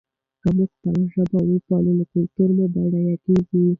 که موږ خپله ژبه وپالو نو کلتور مو بډایه کېږي.